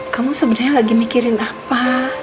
kamu sebenarnya lagi mikirin apa